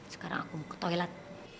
sekarang aku mau ke toilet